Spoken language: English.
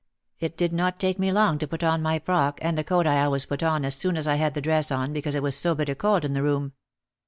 It did not take me long to put on my frock, and the coat I always put on as soon as I had the dress on because it was so bitter cold in the room.